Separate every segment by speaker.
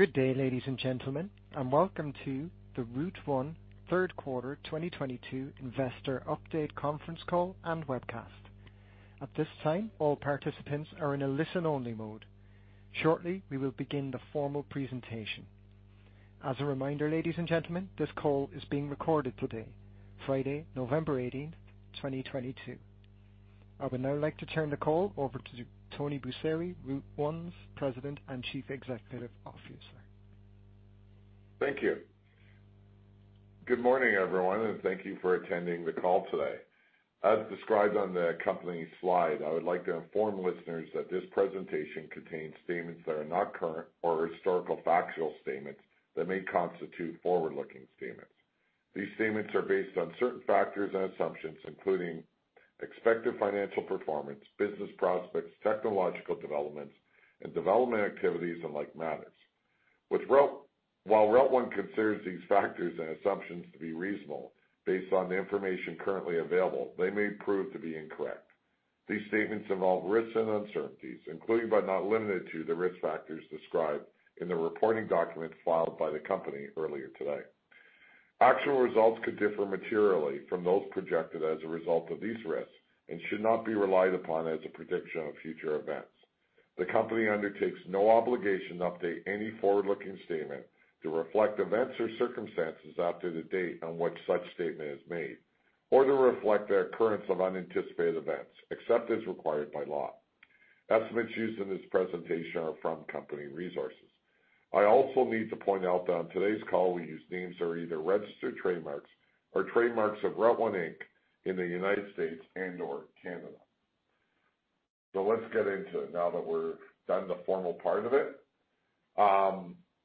Speaker 1: Good day, ladies and gentlemen, and welcome to the Route1 third quarter 2022 investor update conference call and webcast. At this time all participants are in a listen-only mode. Shortly, we will begin the formal presentation. As a reminder, ladies and gentlemen, this call is being recorded today, Friday, November 18th, 2022. I would now like to turn the call over to Tony Busseri, Route1's President and Chief Executive Officer.
Speaker 2: Thank you. Good morning, everyone. Thank you for attending the call today. As described on the accompanying slide I would like to inform listeners that this presentation contains statements that are not current or historical factual statements that may constitute forward-looking statements. These statements are based on certain factors and assumptions, including expected financial performance, business prospects, technological developments, and development activities and like matters. While Route1 considers these factors and assumptions to be reasonable, based on the information currently available, they may prove to be incorrect. These statements involve risks and uncertainties, including but not limited to the Risk Factors described in the reporting document filed by the company earlier today. Actual results could differ materially from those projected as a result of these risks and should not be relied upon as a prediction of future events. The company undertakes no obligation to update any forward-looking statement to reflect events or circumstances after the date on which such statement is made or to reflect the occurrence of unanticipated events, except as required by law. Estimates used in this presentation are from company resources. I also need to point out that on today's call we use names that are either registered trademarks or trademarks of Route1 Inc. in the United States and/or Canada. Let's get into it now that we're done the formal part of it.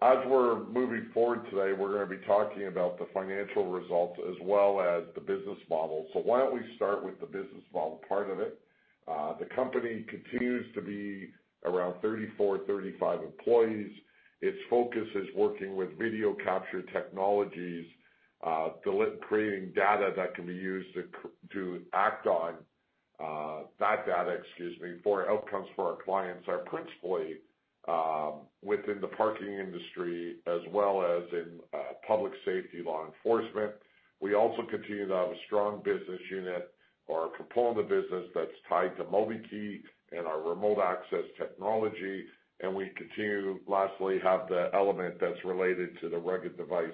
Speaker 2: As we're moving forward today, we're gonna be talking about the financial results as well as the business model. Why don't we start with the business model part of it? The company continues to be around 34-35 employees. Its focus is working with video capture technologies, creating data that can be used to act on that data, excuse me, for outcomes for our clients are principally within the parking industry as well as in public safety, law enforcement. We also continue to have a strong business unit or a component of business that's tied to Mobikey and our remote access technology, and we continue, lastly, have the element that's related to the rugged device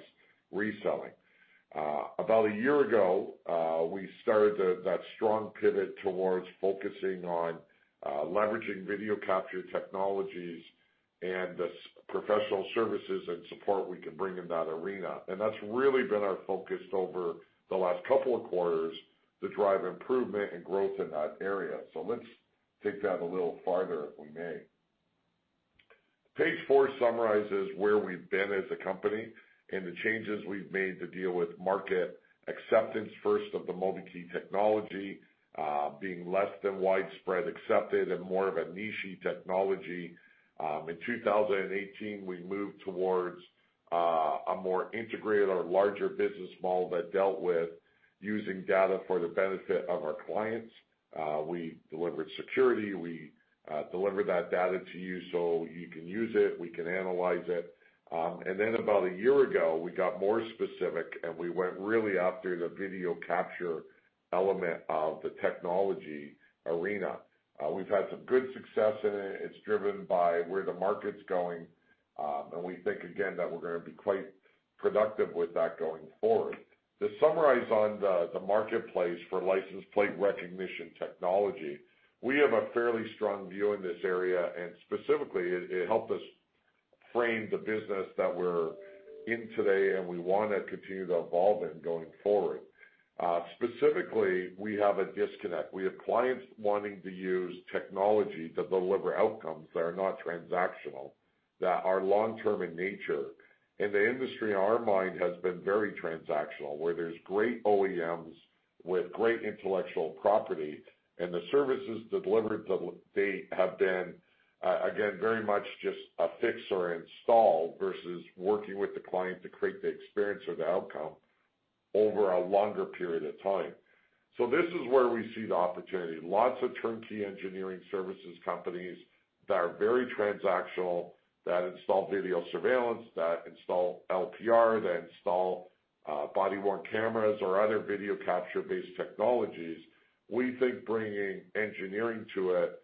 Speaker 2: reselling. About a year ago, we started that strong pivot towards focusing on leveraging video capture technologies and the professional services and support we can bring in that arena. That's really been our focus over the last couple of quarters to drive improvement and growth in that area. Let's take that a little farther, if we may. Page four summarizes where we've been as a company and the changes we've made to deal with market acceptance, first of the Mobikey technology, being less than widespread accepted and more of a niche-y technology. In 2018, we moved towards a more integrated or larger business model that dealt with using data for the benefit of our clients. We delivered security. We delivered that data to you so you can use it, we can analyze it. About a year ago, we got more specific, and we went really after the video capture element of the technology arena. We've had some good success in it. It's driven by where the market's going, and we think again that we're gonna be quite productive with that going forward. To summarize on the marketplace for license plate recognition technology, we have a fairly strong view in this area, and specifically it helped us frame the business that we're in today, and we wanna continue to evolve in going forward. Specifically, we have a disconnect. We have clients wanting to use technology to deliver outcomes that are not transactional, that are long-term in nature. The industry in our mind has been very transactional, where there's great OEMs with great intellectual property and the services delivered to date have been, again, very much just a fix or install versus working with the client to create the experience or the outcome over a longer period of time. This is where we see the opportunity. Lots of turnkey engineering services companies that are very transactional, that install video surveillance, that install LPR that install body-worn cameras or other video capture-based technologies. We think bringing engineering to it,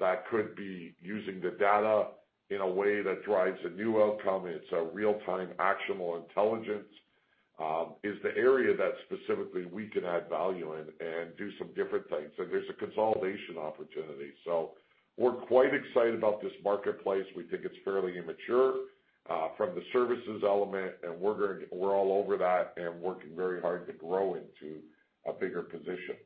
Speaker 2: that could be using the data in a way that drives a new outcome, it's a real-time actionable intelligence, is the area that specifically we can add value in and do some different things. There's a consolidation opportunity. We're quite excited about this marketplace. We think it's fairly immature from the services element and we're all over that and working very hard to grow into a bigger position.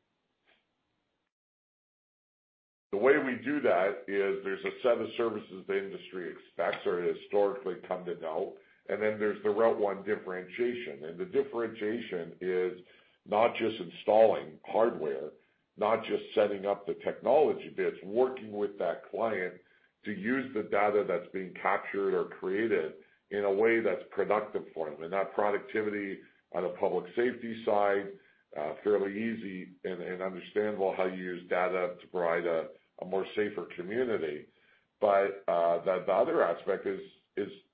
Speaker 2: The way we do that is there's a set of services the industry expects or historically come to know, and then there's the Route1 differentiation. Differentiation is not just installing hardware, not just setting up the technology, but it's working with that client to use the data that's being captured or created in a way that's productive for them. That productivity on the public safety side, fairly easy and understandable how you use data to provide a more safer community. The other aspect is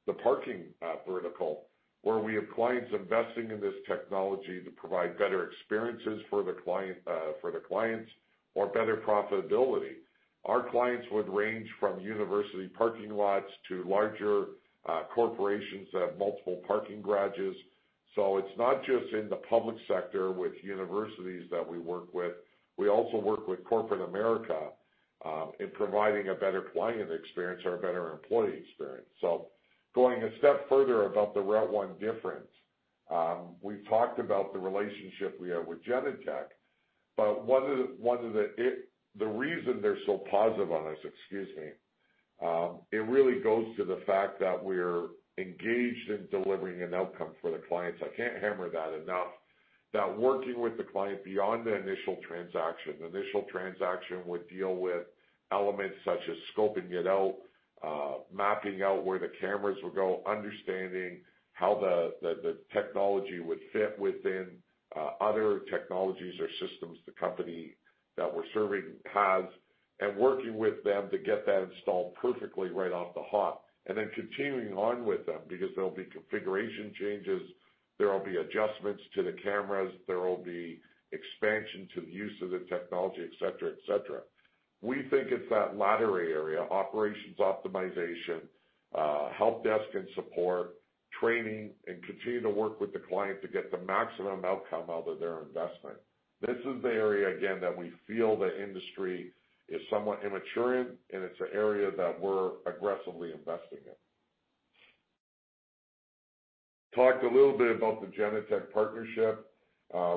Speaker 2: the parking vertical, where we have clients investing in this technology to provide better experiences for the clients or better profitability. Our clients would range from university parking lots to larger corporations that have multiple parking garages. It's not just in the public sector with universities that we work with. We also work with corporate America in providing a better client experience or a better employee experience. Going a step further about the Route1 difference we've talked about the relationship we have with Genetec, but the reason they're so positive on us, excuse me, it really goes to the fact that we're engaged in delivering an outcome for the clients. I can't hammer that enough. That working with the client beyond the initial transaction would deal with elements such as scoping it out, mapping out where the cameras would go, understanding how the technology would fit within other technologies or systems the company that we're serving has, and working with them to get that installed perfectly right off the hop. Continuing on with them because there'll be configuration changes, there will be adjustments to the cameras, there will be expansion to the use of the technology, et cetera, et cetera. We think it's that latter area, operations optimization, help desk and support, training, and continuing to work with the client to get the maximum outcome out of their investment. This is the area, again, that we feel the industry is somewhat immature in, and it's an area that we're aggressively investing in. Talked a little bit about the Genetec partnership.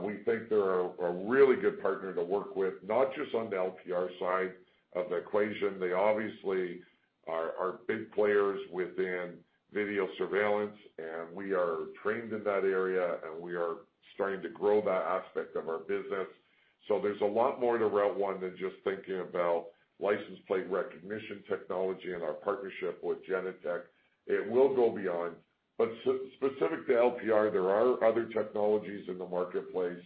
Speaker 2: We think they're a really good partner to work with not just on the LPR side of the equation. They obviously are big players within video surveillance, and we are trained in that area, and we are starting to grow that aspect of our business. There's a lot more to Route1 than just thinking about license plate recognition technology and our partnership with Genetec. It will go beyond. Specific to LPR there are other technologies in the marketplace.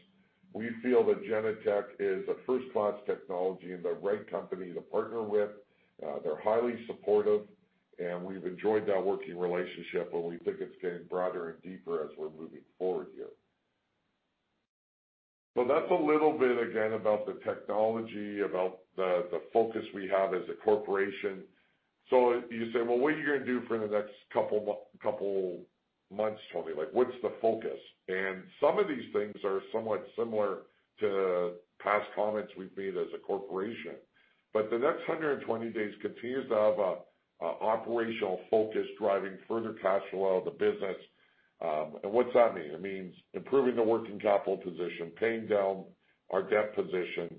Speaker 2: We feel that Genetec is a first-class technology and the right company to partner with. They're highly supportive, and we've enjoyed that working relationship, and we think it's getting broader and deeper as we're moving forward here. That's a little bit again about the technology, about the focus we have as a corporation. You say, "Well, what are you gonna do for the next couple months, Tony? Like, what's the focus?" Some of these things are somewhat similar to past comments we've made as a corporation. The next 120 days continues to have an operational focus driving further cash flow out of the business. What's that mean? It means improving the working capital position, paying down our debt position,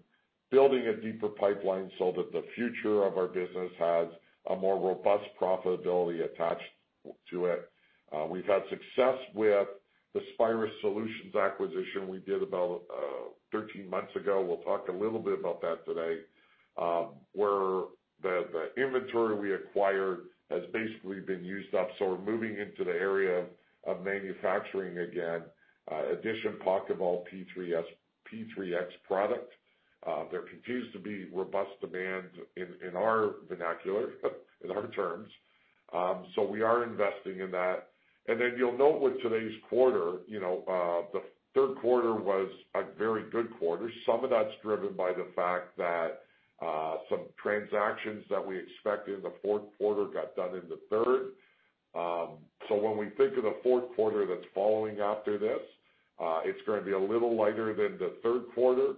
Speaker 2: building a deeper pipeline so that the future of our business has a more robust profitability attached to it. We've had success with the Spyrus Solutions acquisition we did about 13 months ago. We'll talk a little bit about that today where the inventory we acquired has basically been used up, so we're moving into the area of manufacturing again, additional PocketVault P3X product. There continues to be robust demand in our vernacular, in our terms. We are investing in that. You'll note with today's quarter, you know, the third quarter was a very good quarter. Some of that's driven by the fact that some transactions that we expect in the fourth quarter got done in the third. When we think of the fourth quarter that's following after this, it's gonna be a little lighter than the third quarter.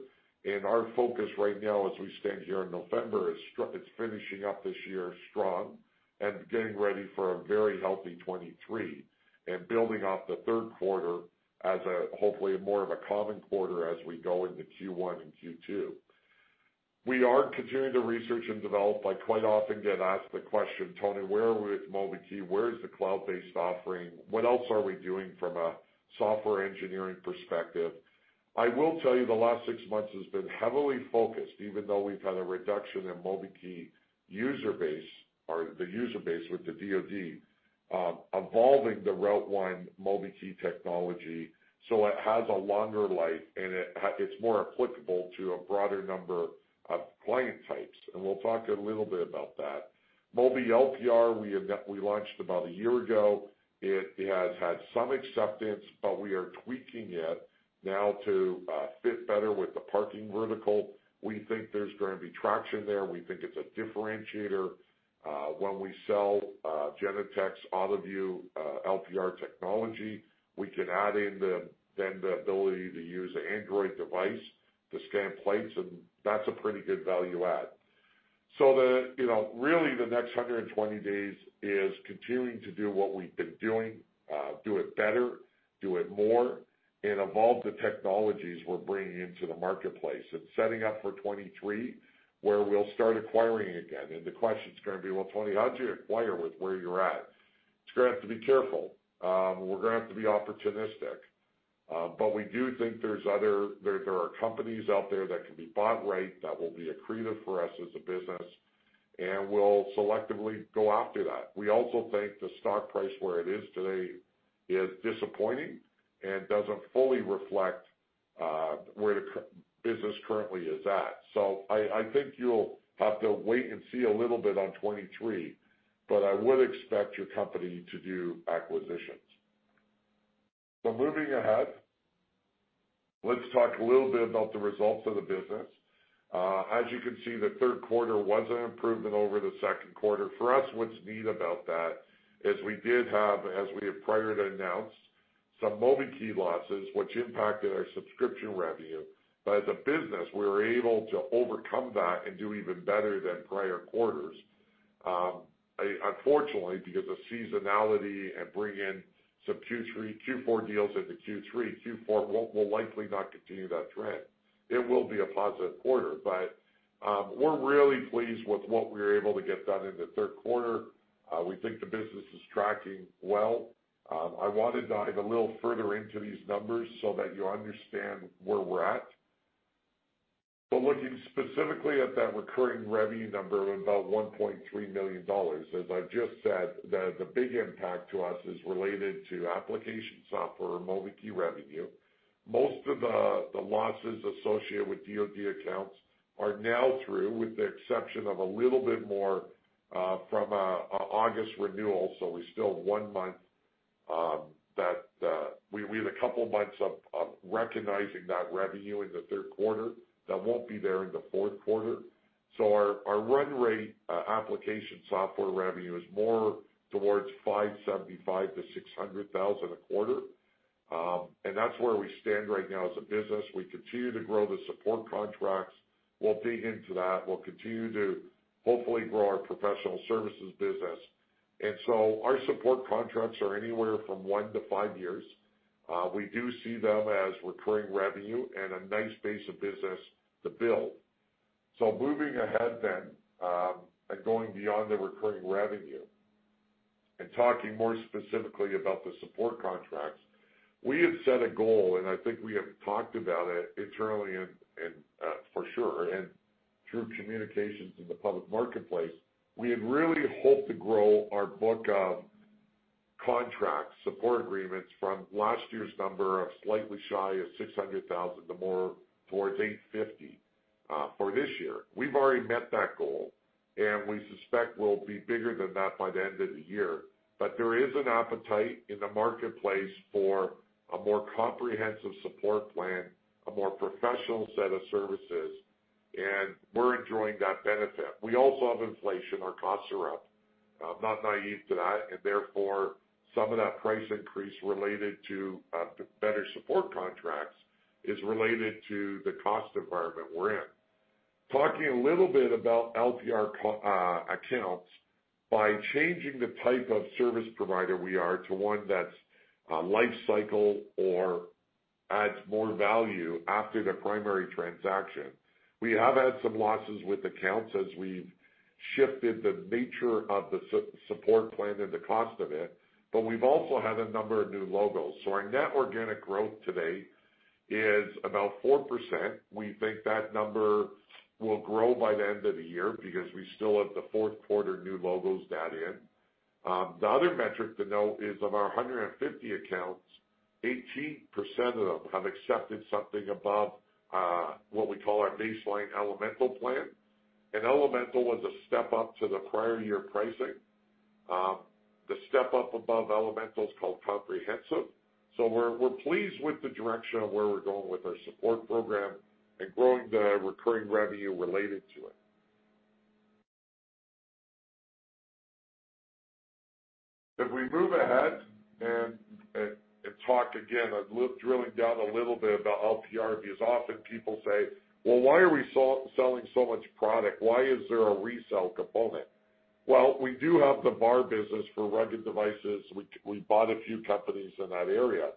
Speaker 2: Our focus right now as we stand here in November is finishing up this year strong and getting ready for a very healthy 2023, and building off the third quarter as a, hopefully, more of a common quarter as we go into Q1 and Q2. We are continuing to research and develop. I quite often get asked the question, Tony, where are we with Mobikey? Where is the cloud-based offering? What else are we doing from a software engineering perspective? I will tell you the last six months has been heavily focused, even though we've had a reduction in Mobikey user base, or the user base with the DoD, evolving the Route1 Mobikey technology so it has a longer life and it's more applicable to a broader number of client types. We'll talk a little bit about that. MobiLPR, we launched about a year ago. It has had some acceptance, but we are tweaking it now to fit better with the parking vertical. We think there's going to be traction there. We think it's a differentiator. When we sell Genetec's AutoVu LPR technology, we can add in the ability to use an Android device to scan plates, and that's a pretty good value add. The, you know, really the next 120 days is continuing to do what we've been doing, do it better, do it more, and evolve the technologies we're bringing into the marketplace. Setting up for 2023, where we'll start acquiring again. The question's gonna be, "Well Tony, how'd you acquire with where you're at?" It's gonna have to be careful. We're gonna have to be opportunistic. We do think there are companies out there that can be bought right, that will be accretive for us as a business. We'll selectively go after that. We also think the stock price where it is today is disappointing and doesn't fully reflect where the business currently is at. I think you'll have to wait and see a little bit on 2023 but I would expect your company to do acquisitions. Moving ahead, let's talk a little bit about the results of the business. As you can see the third quarter was an improvement over the second quarter. For us, what's neat about that is we did have, as we have prior to announce, some Mobikey losses which impacted our subscription revenue. As a business, we were able to overcome that and do even better than prior quarters. Unfortunately, because of seasonality and bring in some Q4 deals into Q3, Q4 will likely not continue that trend. It will be a positive quarter. We're really pleased with what we were able to get done in the third quarter. We think the business is tracking well. I wanna dive a little further into these numbers so that you understand where we're at. Looking specifically at that recurring revenue number of about 1.3 million dollars, as I've just said, the big impact to us is related to application software, Mobikey revenue. Most of the losses associated with DoD accounts are now through, with the exception of a little bit more from an August renewal. We still have one month. We have a couple months of recognizing that revenue in the third quarter that won't be there in the fourth quarter. Our run rate application software revenue is more towards 575,000-600,000 a quarter. That's where we stand right now as a business. We continue to grow the support contracts. We'll dig into that. We'll continue to hopefully grow our professional services business. Our support contracts are anywhere from one to five years. We do see them as recurring revenue and a nice base of business to build. Moving ahead then, and going beyond the recurring revenue and talking more specifically about the support contracts, we have set a goal, and I think we have talked about it internally and for sure, and through communications in the public marketplace, we had really hoped to grow our book of contracts, support agreements from last year's number of slightly shy of 600,000 to more towards 850,000 for this year. We've already met that goal, and we suspect we'll be bigger than that by the end of the year. There is an appetite in the marketplace for a more comprehensive support plan, a more professional set of services, and we're enjoying that benefit. We also have inflation. Our costs are up. I'm not naive to that, and therefore, some of that price increase related to the better support contracts is related to the cost environment we're in. Talking a little bit about LPR accounts, by changing the type of service provider we are to one that's a life cycle or adds more value after the primary transaction, we have had some losses with accounts as we've shifted the nature of the support plan and the cost of it, but we've also had a number of new logos. Our net organic growth to date is about 4%. We think that number will grow by the end of the year because we still have the fourth quarter new logos to add in. The other metric to note is of our 150 accounts, 18% of them have accepted something above what we call our baseline Elemental plan. Elemental was a step-up to the prior year pricing. The step-up above Elemental is called Comprehensive. We're pleased with the direction of where we're going with our support program and growing the recurring revenue related to it. If we move ahead and talk again, I'm drilling down a little bit about LPR, because often people say, "Well, why are we selling so much product? Why is there a resale component?" Well, we do have the VAR business for rugged devices. We bought a few companies in that area.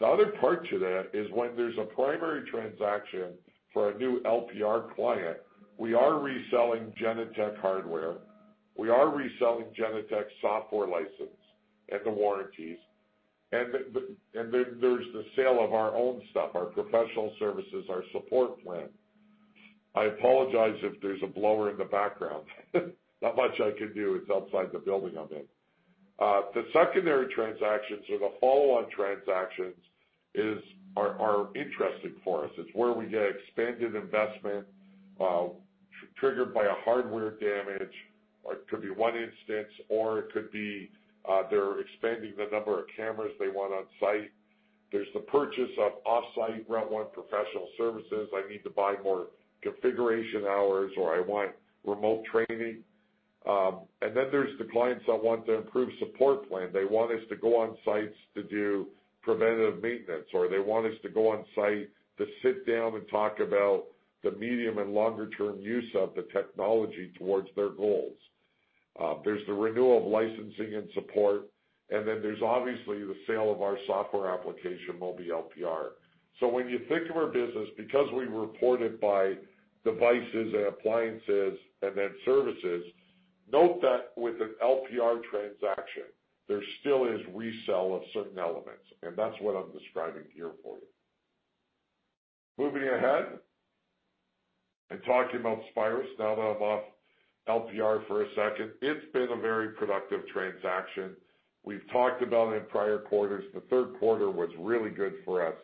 Speaker 2: The other part to that is when there's a primary transaction for a new LPR client, we are reselling Genetec hardware, we are reselling Genetec software license and the warranties. There's the sale of our own stuff, our professional services, our support plan. I apologize if there's a blower in the background. Not much I can do. It's outside the building, I think. The secondary transactions or the follow-on transactions are interesting for us. It's where we get expanded investment triggered by a hardware damage, or it could be one instance, or it could be they're expanding the number of cameras they want on site. There's the purchase of off-site Route1 professional services. I need to buy more configuration hours, or I want remote training. There's the clients that want the improved support plan. They want us to go on sites to do preventative maintenance, or they want us to go on site to sit down and talk about the medium and longer term use of the technology towards their goals. There's the renewal of licensing and support. There's obviously the sale of our software application, MobiLPR. When you think of our business, because we report it by devices and appliances and then services, note that with an LPR transaction, there still is resale of certain elements, and that's what I'm describing here for you. Moving ahead and talking about Spyrus now that I'm off LPR for a second. It's been a very productive transaction. We've talked about it in prior quarters. The third quarter was really good for us.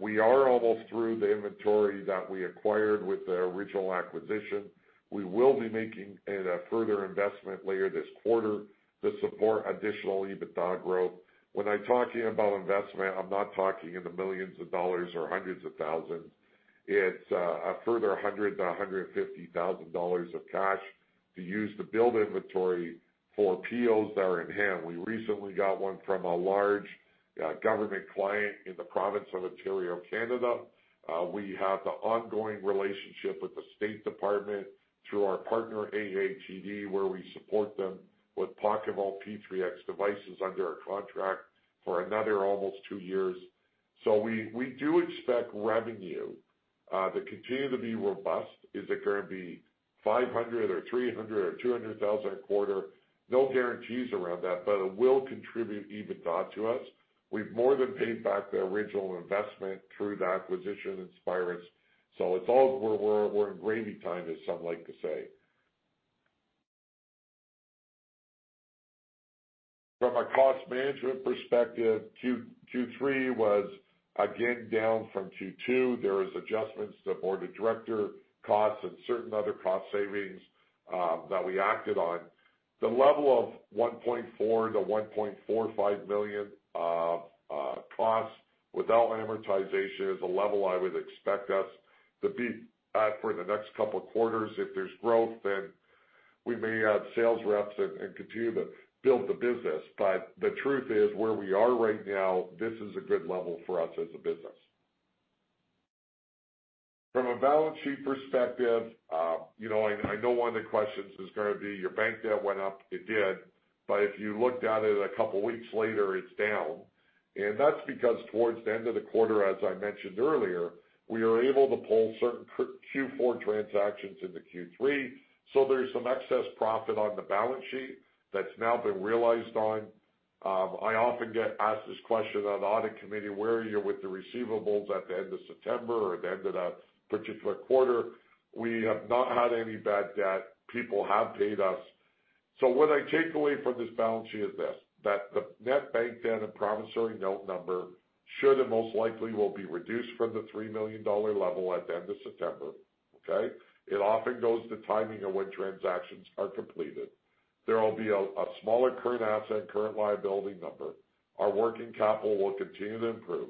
Speaker 2: We are almost through the inventory that we acquired with the original acquisition. We will be making a further investment later this quarter to support additional EBITDA growth. When I'm talking about investment, I'm not talking in the millions of dollars or hundreds of thousands. It's, uh, a further $100,000-$150,000 of cash to use to build inventory for POs that are in hand. We recently got one from a large, uh, government client in the province of Ontario, Canada. We have the ongoing relationship with the State Department through our partner, AHTD, where we support them with PocketVault P3X devices under a contract for another almost two years. So we do expect revenue, uh, to continue to be robust. Is it gonna be five hundred or three hundred or two hundred thousand a quarter? No guarantees around that, but it will contribute EBITDA to us. We've more than paid back the original investment through the acquisition in Spyrus. It's all we're in gravy time, as some like to say. From a cost management perspective, Q3 was again down from Q2. There was adjustments to board of director costs and certain other cost savings that we acted on. The level of 1.4 million-1.45 million costs without amortization is a level I would expect us to be at for the next couple of quarters. If there's growth, then we may add sales reps and continue to build the business. The truth is, where we are right now, this is a good level for us as a business. From a balance sheet perspective, you know, I know one of the questions is gonna be your bank debt went up. It did. If you looked at it a couple weeks later, it's down. That's because towards the end of the quarter, as I mentioned earlier, we are able to pull certain Q4 transactions into Q3. There's some excess profit on the balance sheet that's now been realized on. I often get asked this question on the audit committee, where are you with the receivables at the end of September or at the end of that particular quarter? We have not had any bad debt. People have paid us. What I take away from this balance sheet is this, that the net bank debt and promissory note number should and most likely will be reduced from the 3 million dollar level at the end of September. Okay? It often goes to timing of when transactions are completed. There will be a smaller current asset, current liability number. Our working capital will continue to improve.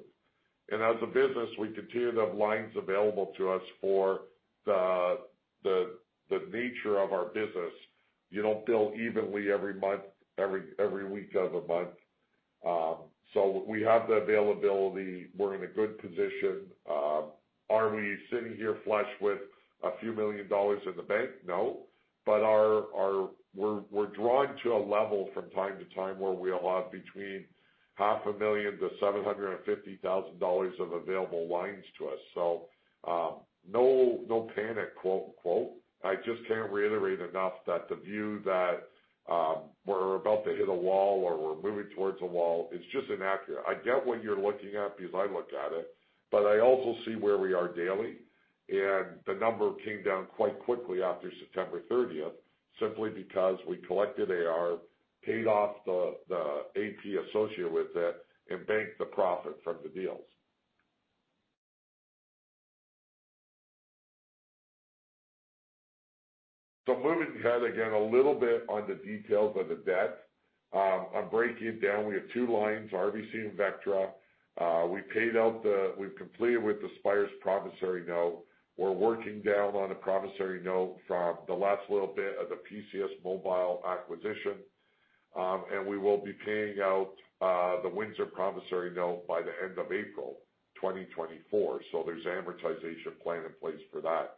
Speaker 2: And as a business, we continue to have lines available to us for the, the nature of our business. You don't bill evenly every month, every week of the month. Um, so we have the availability. We're in a good position. Uh, are we sitting here flush with a few million dollars in the bank? No. But our... we're drawing to a level from time to time where we allow between $500,000-$750,000 of available lines to us. So, um, no panic, quote, unquote. I just can't reiterate enough that the view that, um, we're about to hit a wall or we're moving towards a wall, it's just inaccurate. I get what you're looking at because I look at it, but I also see where we are daily. The number came down quite quickly after September 30th, simply because we collected A.R., paid off the A.P. associated with it, and banked the profit from the deals. Moving ahead, again, a little bit on the details of the debt. I'm breaking it down. We have two lines, RBC and Vectra. We've completed with the Spyrus promissory note. We're working down on the promissory note from the last little bit of the PCS Mobile acquisition. We will be paying out the Windsor promissory note by the end of April 2024. There's an amortization plan in place for that.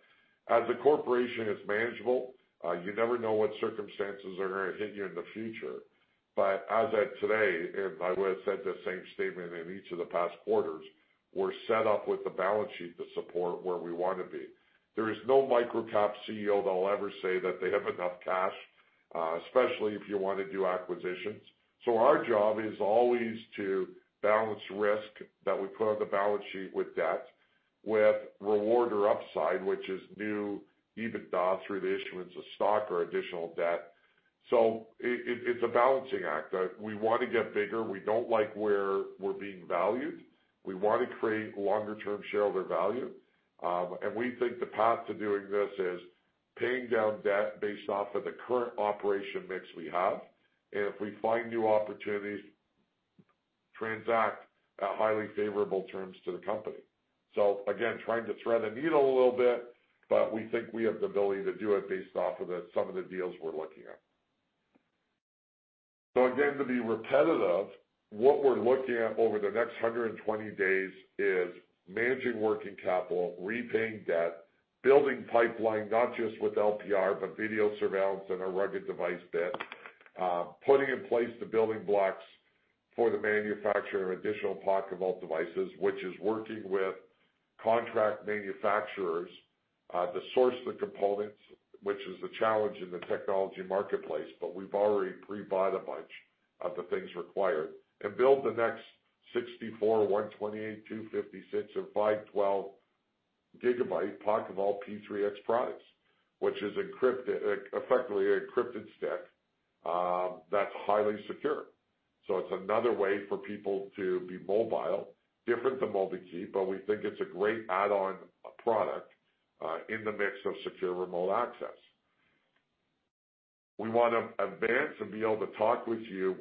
Speaker 2: As a corporation, it's manageable. You never know what circumstances are gonna hit you in the future. As of today, and I would have said the same statement in each of the past quarters, we're set up with the balance sheet to support where we wanna be. There is no micro-cap CEO that'll ever say that they have enough cash, especially if you wanna do acquisitions. Our job is always to balance risk that we put on the balance sheet with debt, with reward or upside, which is new EBITDA through the issuance of stock or additional debt. It's a balancing act. We want to get bigger. We don't like where we're being valued. We want to create longer-term shareholder value. We think the path to doing this is paying down debt based off of the current operation mix we have, and if we find new opportunities, transact at highly favorable terms to the company. Again, trying to thread the needle a little bit, but we think we have the ability to do it based off of some of the deals we're looking at. Again, to be repetitive, what we're looking at over the next 120 days is managing working capital, repaying debt, building pipeline, not just with LPR, but video surveillance and our rugged device bit, putting in place the building blocks for the manufacture of additional Pocket Vault devices, which is working with contract manufacturers to source the components, which is the challenge in the technology marketplace, but we've already pre-bought a bunch of the things required and build the next 64, 128, 256, and 512 GB Pocket Vault P3X products, which is effectively an encrypted stick that's highly secure. It's another way for people to be mobile, different than Mobikey, but we think it's a great add-on product in the mix of secure remote access. We wanna advance and be able to talk with you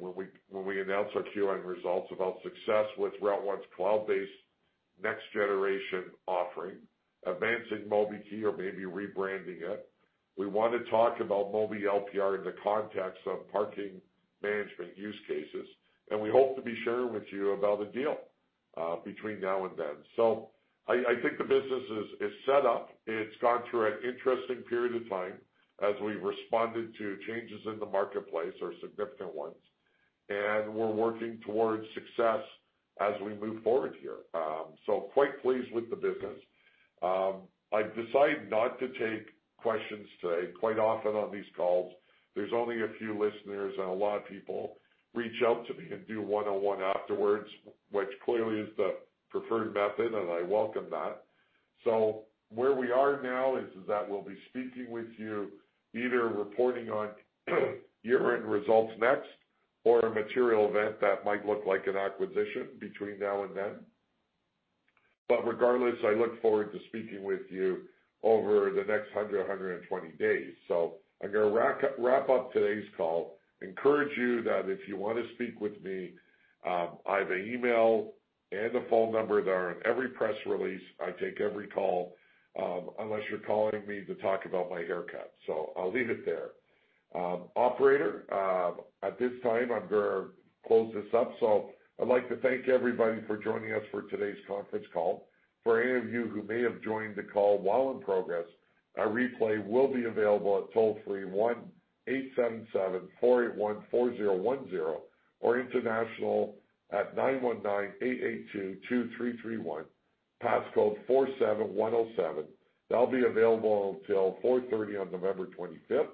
Speaker 2: when we announce our Q1 results about success with Route1's cloud-based next-generation offering, advancing Mobikey or maybe rebranding it. We wanna talk about MobiLPR in the context of parking management use cases, and we hope to be sharing with you about a deal between now and then. I think the business is set up. It's gone through an interesting period of time as we responded to changes in the marketplace or significant ones, and we're working towards success as we move forward here. Quite pleased with the business. I've decided not to take questions today. Quite often on these calls, there's only a few listeners, and a lot of people reach out to me and do one-on-one afterwards, which clearly is the preferred method, and I welcome that. Where we are now is that we'll be speaking with you either reporting on year-end results next or a material event that might look like an acquisition between now and then. Regardless, I look forward to speaking with you over the next 100-120 days. I'm gonna wrap up today's call. Encourage you that if you wanna speak with me, I have an email and a phone number that are on every press release. I take every call unless you're calling me to talk about my haircut. I'll leave it there. Operator, at this time, I'm gonna close this up, so I'd like to thank everybody for joining us for today's conference call. For any of you who may have joined the call while in progress, a replay will be available at toll-free 1-877-481-4010 or international at 919-882-2331, passcode 47107. That'll be available till 4:30 P.M. on November 25th.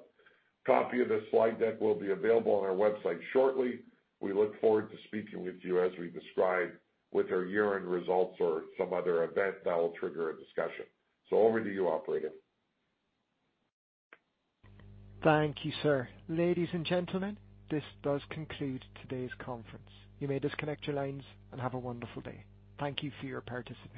Speaker 2: Copy of this slide deck will be available on our website shortly. We look forward to speaking with you as we described with our year-end results or some other event that will trigger a discussion. Over to you, operator.
Speaker 1: Thank you, sir. Ladies and gentlemen, this does conclude today's conference. You may disconnect your lines and have a wonderful day. Thank you for your participation.